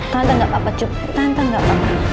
tante gak apa cuy tante gak apa